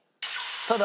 ただ